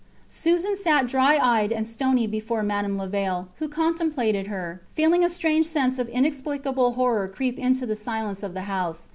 Susan sat dry eyed and stony before Madame Levaille, who contemplated her, feeling a strange sense of inexplicable horror creep into the silence of the house.